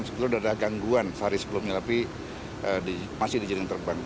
sudah ada gangguan sehari sebelumnya tapi masih diizinkan terbang